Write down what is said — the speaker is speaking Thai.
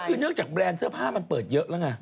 คือเนื่องจากแบรนด์เสื้อผ้ามันเปิดเยอะแล้วไง